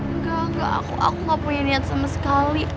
enggak enggak aku aku gak punya niat sama sekali